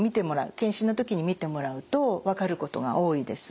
健診の時に見てもらうと分かることが多いです。